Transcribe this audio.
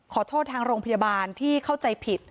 ทางโรงพยาบาลที่เข้าใจผิด